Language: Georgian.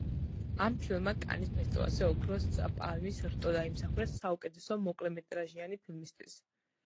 ამ ფილმმა კანის ფესტივალზე ოქროს პალმის რტო დაიმსახურა საუკეთესო მოკლემეტრაჟიანი ფილმისთვის.